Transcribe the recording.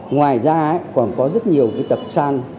ngoài ra còn có rất nhiều cái tập sàn